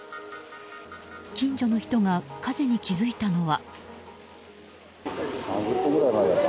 近所の人が火事に気付いたのは。